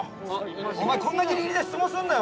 ◆お前、こんなぎりぎりで質問すんなよ。